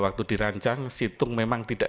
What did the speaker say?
waktu dirancang situng memang tidak